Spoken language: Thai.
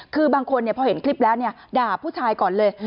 คือบางคนเนี่ยพอเห็นคลิปแล้วเนี่ยด่าผู้ชายก่อนเลย